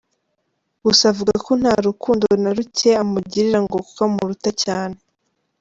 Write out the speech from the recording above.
Gusa avuga ko nta rukundo na ruke amugirira ngo kuko amuruta cyane.